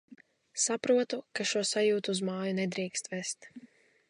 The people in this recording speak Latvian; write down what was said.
Saprotu, ka šo sajūtu uz māju nedrīkst vest...